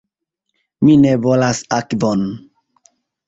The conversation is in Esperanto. Mi ne volas akvon.